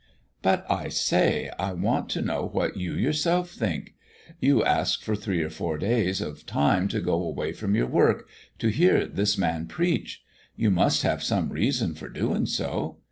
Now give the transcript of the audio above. "But, I say, I want to know what you yourself think. You ask for three or four days of time to go away from your work, to hear this man preach. You must have some reason for doing so.